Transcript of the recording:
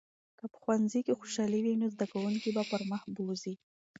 که په ښوونځي کې خوشالي وي، نو زده کوونکي به پرمخ بوځي.